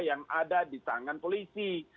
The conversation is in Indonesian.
yang ada di tangan polisi